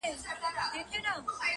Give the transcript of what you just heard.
ه ویري ږغ کولای نه سم!.